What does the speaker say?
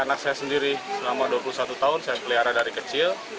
petugas menangkap rakyat di rumah